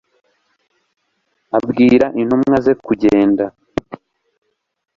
Abwira intumwa ze kugenda